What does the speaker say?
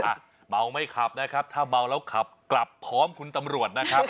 อ่ะเมาไม่ขับนะครับถ้าเมาแล้วขับกลับพร้อมคุณตำรวจนะครับ